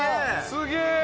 すげえ！